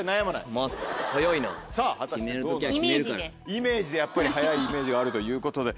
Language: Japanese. イメージでやっぱり速いイメージがあるということで。